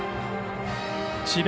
智弁